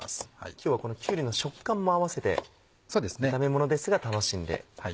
今日はこのきゅうりの食感も合わせて炒め物ですが楽しんで。